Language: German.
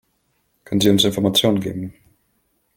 Könnten Sie uns Informationen geben?